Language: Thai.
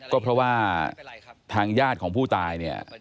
ก็เพราะว่าทางญาติของผู้ตายเนี่ย